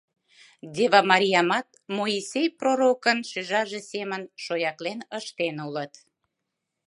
Дева Мариямат, Моисей пророкын шӱжарже семын, шояклен ыштен улыт.